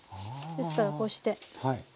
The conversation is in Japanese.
ですからこうして。